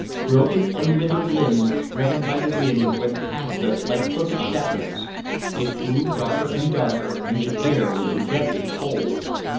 Broken and withered limbs, driven by the wind, went past us like crooked shadows; it grew darker and darker, and the air was deadly cold.